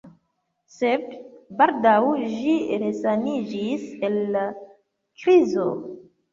Sed baldaŭ ĝi resaniĝis el la krizo.